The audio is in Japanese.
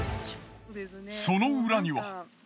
その裏には。